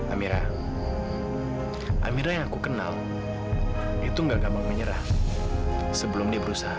amira amira yang aku kenal itu enggak gampang menyerah sebelum dia berusaha